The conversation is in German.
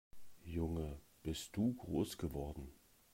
Junge, bist du groß geworden!